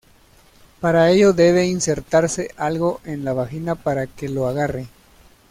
Para ello debe insertarse algo en la vagina para que lo agarre.